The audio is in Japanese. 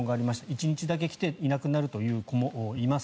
１日だけ来ていなくなるという子もいます。